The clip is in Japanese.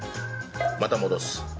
また戻す。